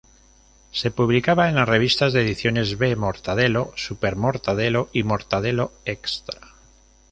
Se publicaba en las revistas de Ediciones B "Mortadelo," "Super Mortadelo, y Mortadelo Extra.